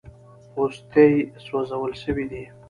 پوستې سوځول سوي دي.